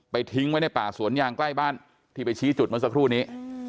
ทิ้งไว้ในป่าสวนยางใกล้บ้านที่ไปชี้จุดเมื่อสักครู่นี้